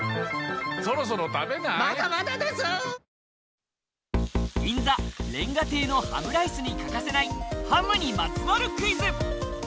意外と知られて銀座、煉瓦亭のハムライスに欠かせないハムにまつわるクイズ。